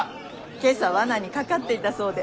今朝罠にかかっていたそうで。